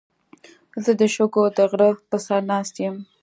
زه د شګو د غره په سر ناست یم.